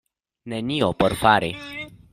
Nenio por fari.